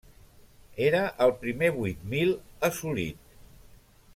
Era el primer vuit mil assolit.